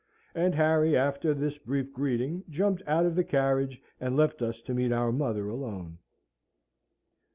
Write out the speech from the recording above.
And Harry, after this brief greeting, jumped out of the carriage, and left us to meet our mother alone.